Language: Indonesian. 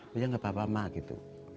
dia nggak apa apa mak gitu